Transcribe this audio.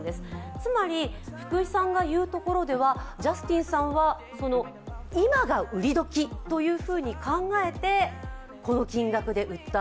つまり、福井さんが言うところではジャスティンさんは今が売り時というふうに考えてこの金額で売った。